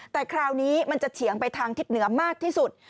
แต่คราวนี้มันจะเฉียงไปทางทิศเหนือมากที่สุด